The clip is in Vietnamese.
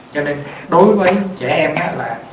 cho nên đối với trẻ em á